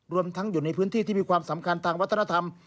รวมทั้งอยู่ในพื้นที่ที่มีความสำคัญทางวัฒนธรรม